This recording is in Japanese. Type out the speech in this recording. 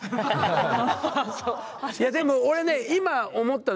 いやでも俺ね今思ったの。